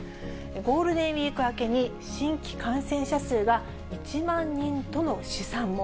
ゴールデンウィーク明けに新規感染者数が１万人との試算も。